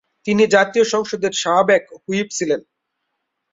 তিনি জাতীয় সংসদের সাবেক হুইপ ছিলেন।